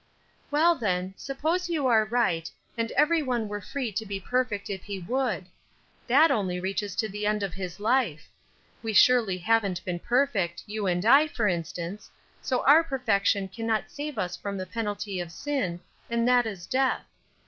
"Well, then, suppose you were right, and every one were free to be perfect if he would; that only reaches to the end of this life. We surely haven't been perfect, you and I, for instance, so our perfection cannot save us from the penalty of sin, and that is death.